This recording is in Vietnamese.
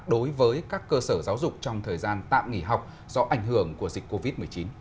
đối với các cơ sở giáo dục trong thời gian tạm nghỉ học do ảnh hưởng của dịch covid một mươi chín